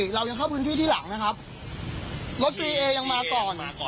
เรายังเข้าพื้นที่ที่หลังนะครับรถสวีเอยังมาก่อน